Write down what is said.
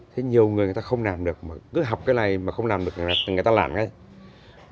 thế nhiều người người ta không làm được cứ học cái này mà không làm được người ta làm cái gì